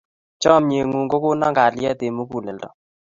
Chamnyengung ko kona kalyet eng muguleldo